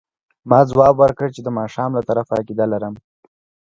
ما ځواب ورکړ چې د ماښام له طرفه عقیده لرم.